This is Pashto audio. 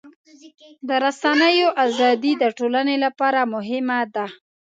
د رسنیو ازادي د ټولنې لپاره مهمه ده.